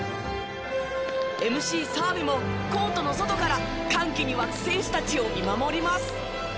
ＭＣ澤部もコートの外から歓喜に沸く選手たちを見守ります。